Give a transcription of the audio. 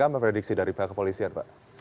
apa prediksi dari pihak kepolisian pak